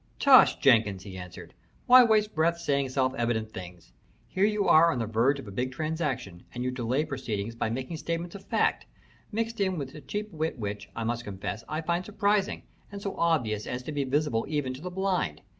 "Tush, Jenkins!" he answered. "Why waste breath saying self evident things? Here you are on the verge of a big transaction, and you delay proceedings by making statements of fact, mixed in with a cheap wit which, I must confess, I find surprising, and so obvious as to be visible even to the blind.